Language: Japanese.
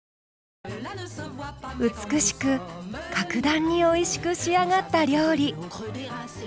美しく格段においしく仕上がった料理。